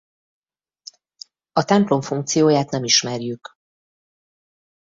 A templom funkcióját nem ismerjük.